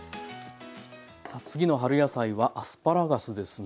さあ次の春野菜はアスパラガスですね。